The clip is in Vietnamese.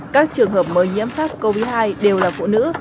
các trường hợp mới nhiễm sars cov hai đều là phụ nữ